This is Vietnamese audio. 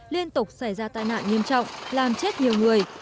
liên tục xảy ra tai nạn nghiêm trọng làm chết nhiều người